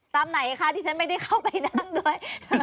ไหนคะที่ฉันไม่ได้เข้าไปนั่งด้วย